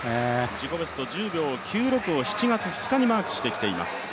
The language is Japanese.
自己ベスト１０秒９６を７月２０日にマークしてきています。